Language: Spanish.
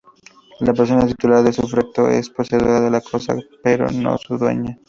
La persona titular del usufructo es poseedora de la cosa pero no su dueña.